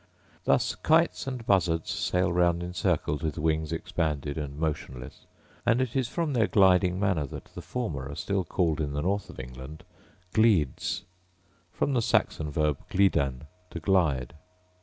Thus kites and buzzards sail round in circles with wings expanded and motionless; and it is from their gliding manner that the former are still called in the north of England gleads, from the Saxon verb glidan to glide.